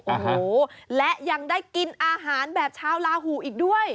โอ้โหและยังได้กินอาหารแบบชาวลาหูอีกด้วย